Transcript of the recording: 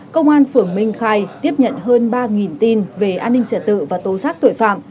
công an phường minh khai tiếp nhận hơn ba tin về an ninh trật tự và tố xác tội phạm